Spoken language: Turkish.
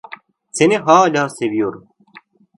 Seni hâlâ seviyorum.